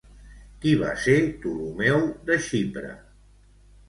Qui va ser Ptolomeu de Xipre?